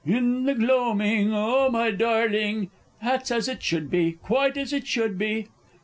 _) "In the gloaming, oh, my darling!" that's as it should be quite as it should be!